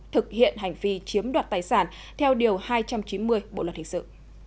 thực hiện hành vi chiếm đoạt tài sản theo điều hai trăm chín mươi bộ luật hình sự